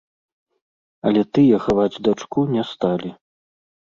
Але тыя хаваць дачку не сталі.